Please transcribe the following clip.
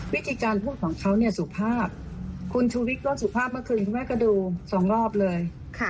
วิธีการพูดของเขาเนี่ยสุภาพคุณชูวิทย์ก็สุภาพเมื่อคืนคุณแม่ก็ดูสองรอบเลย